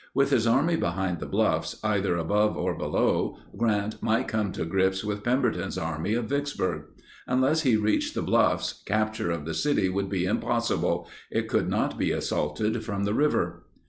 With his army behind the bluffs, either above or below, Grant might come to grips with Pemberton's Army of Vicksburg. Unless he reached the bluffs, capture of the city would be impossible; it could not be assaulted from the river.